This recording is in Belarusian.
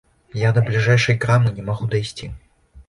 Я да бліжэйшай крамы не магу дайсці.